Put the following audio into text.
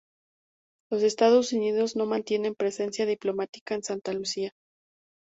Los Estados Unidos no mantienen presencia diplomática en Santa Lucía.